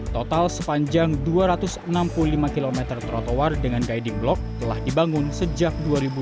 total sepanjang dua ratus enam puluh lima km trotoar dengan guiding block telah dibangun sejak dua ribu dua puluh